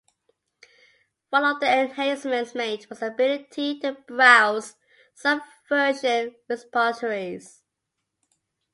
One of the enhancements made was the ability to browse Subversion repositories.